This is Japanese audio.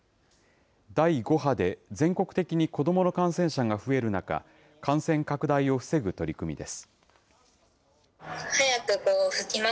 第５波で全国的に子どもの感染者が増える中、感染拡大を防ぐ取り組みです。